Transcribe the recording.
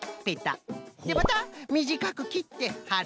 でまたみじかくきってはる。